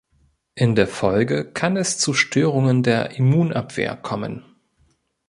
In der Folge kann es zu Störungen der Immunabwehr kommen.